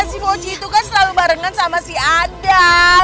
si mochi itu kan selalu barengan sama si anda